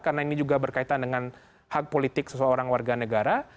karena ini juga berkaitan dengan hak politik seseorang warga negara